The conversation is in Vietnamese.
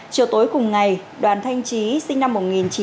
chiều tối cùng ngày đoàn thanh chí sinh năm một nghìn chín trăm chín mươi hai